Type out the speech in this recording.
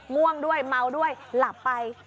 ง่วงด้วยเมาด้วยหลับไป